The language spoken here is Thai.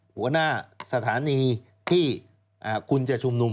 หัวหน้าสถานีที่คุณจะชุมนุม